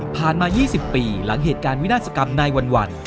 มา๒๐ปีหลังเหตุการณ์วินาศกรรมนายวัน